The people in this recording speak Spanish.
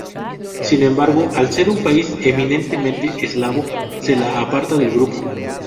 Sin embargo al ser un país eminentemente eslavo, se le aparta del grupo.